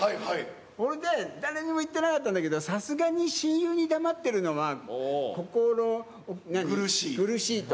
それで、誰にも言ってなかったんだけど、さすがに親友に黙ってるのは心、なに、ぐるしいと。